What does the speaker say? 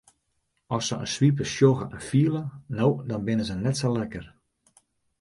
At se in swipe sjogge en fiele no dan binne se net sa lekker.